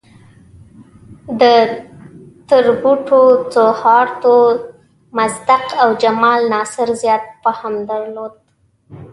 ده تر بوټو، سوهارتو، مصدق او جمال ناصر زیات فهم درلود.